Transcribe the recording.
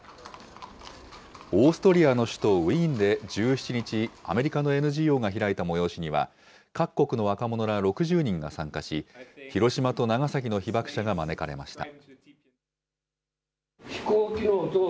オーストリアの首都ウィーンで１７日、アメリカのＮＧＯが開いた催しには、各国の若者ら６０人が参加し、広島と長崎の被爆者が招かれました。